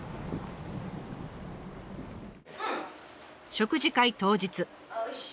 食事会当日。